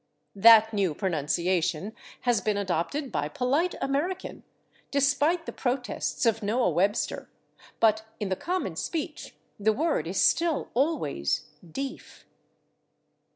That new pronunciation has been adopted by polite American, despite the protests of Noah Webster, but in the common speech the word is still always /deef